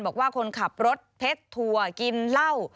บอกว่าคนขับรถเท็จทัวร์กินเหล้า